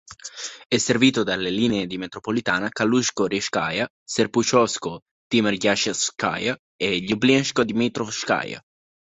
È servito dalle linee di metropolitana Kalužsko-Rižskaja, Serpuchovsko-Timirjazevskaja e Ljublinsko-Dmitrovskaja.